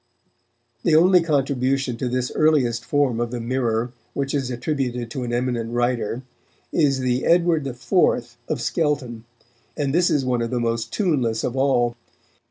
The only contribution to this earliest form of the Mirror which is attributed to an eminent writer, is the "Edward IV" of Skelton, and this is one of the most tuneless of all.